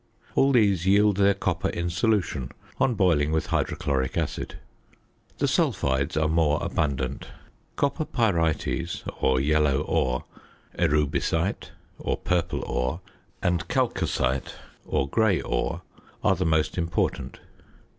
All these yield their copper in solution on boiling with hydrochloric acid. The sulphides are more abundant. Copper pyrites (or yellow ore), erubescite (or purple ore), and chalcocite (or grey ore) are the most important.